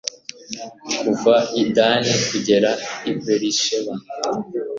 kuva i dani kugera i berisheba